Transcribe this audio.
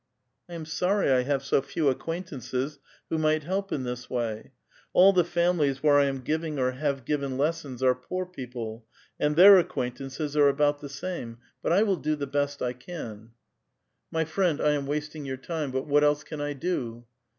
"""i '* I am sorry I have so few acquaiitaivjes who might help in this way. All the families wbKi'e I am giving or have given lessons are poor people, and their acquaintances are about the same ; bat I will do the best I can." 96 A VITAL QUESTION. "Mv friend, I am wasting your time; but what else can I do?''